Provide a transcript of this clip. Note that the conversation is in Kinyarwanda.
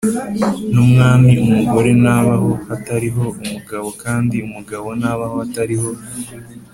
n Umwami umugore ntabaho hatariho umugabo kandi umugabo ntabaho hatariho